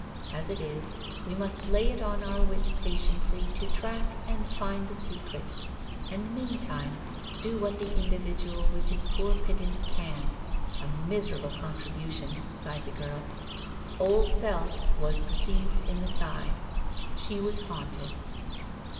As it is, we must lay it on our wits patiently to track and find the secret; and meantime do what the individual with his poor pittance can. A miserable contribution! sighed the girl. Old Self was perceived in the sigh. She was haunted.